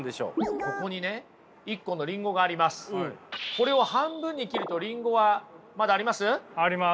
これを半分に切るとリンゴはまだあります？あります。